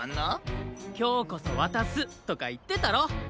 「きょうこそわたす」とかいってたろ！